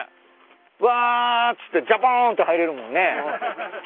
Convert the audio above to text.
うわっつってジャポンって入れるもんね。